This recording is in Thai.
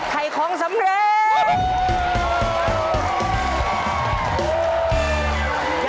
ไทยคล้องสำเร็จ